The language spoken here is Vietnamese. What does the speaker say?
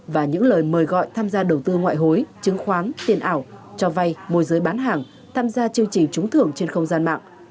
và những lời mời gọi tham gia đầu tư ngoại hối chứng khoán tiền ảo cho vay môi giới bán hàng tham gia chương trình trúng thưởng trên không gian mạng